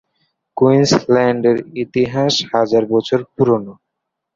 কুইন্সল্যান্ডের ইতিহাস হাজার বছর পুরোনো।